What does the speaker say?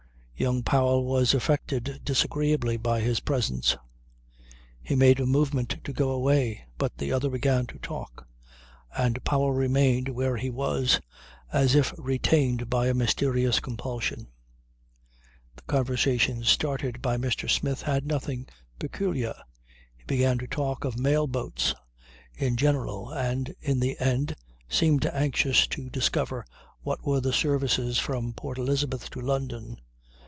Young Powell was affected disagreeably by his presence. He made a movement to go away but the other began to talk and Powell remained where he was as if retained by a mysterious compulsion. The conversation started by Mr. Smith had nothing peculiar. He began to talk of mail boats in general and in the end seemed anxious to discover what were the services from Port Elizabeth to London.